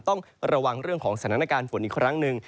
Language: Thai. ต้องระวังเรื่องของสถานการณ์ฝนอีกครั้งหนึ่ง